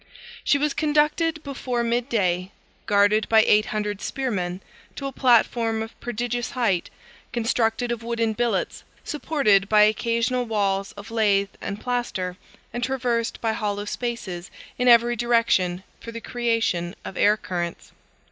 She was conducted before mid day, guarded by eight hundred spearmen, to a platform of prodigious height, constructed of wooden billets supported by occasional walls of lath and plaster, and traversed by hollow spaces in every direction for the creation of air currents.